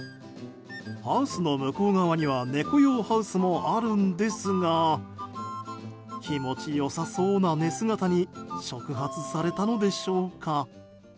ハウスの向こう側には猫用ハウスもあるんですが気持ちよさそうな寝姿に触発されたのでしょうか。